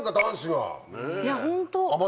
いやホント。